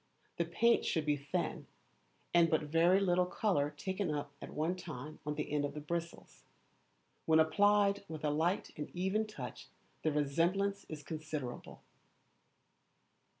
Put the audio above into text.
The paint should be thin, and but very little colour taken up at one time on the end of the bristles. When applied with a light and even touch the resemblance is considerable.